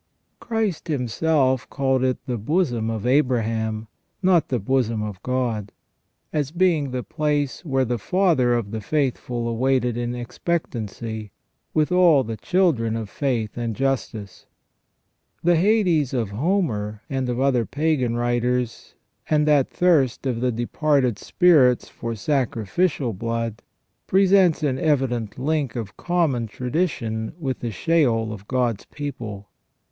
Christ Himself called it the bosom of Abraham, not the bosom of God, as being the place where the father of the faithful awaited in expectancy, with all the children of faith and justice. The Hades of Homer, and of other pagan writers, and that thirst of the departed spirits for sacrificial blood, presents an evident link of common tradition with the Sheol of God's people.